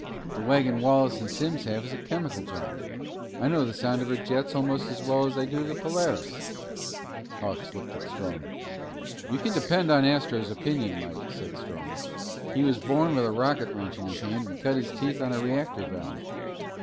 The wagon Wallace and Simms have is a chemical job. I know the sound of her jets almost as well as I do the Polaris." Hawks looked at Strong. "You can depend on Astro's opinion, Mike," said Strong. "He was born with a rocket wrench in his hand and cut his teeth on a reactor valve."